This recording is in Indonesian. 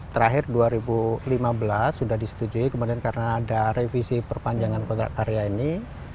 terakhir dua ribu lima belas sudah disetujui kemudian karena ada revisi perpanjangan kontrak karya ini